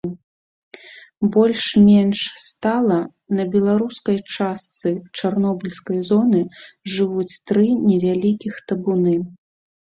Больш-менш стала на беларускай частцы чарнобыльскай зоны жывуць тры невялікіх табуны.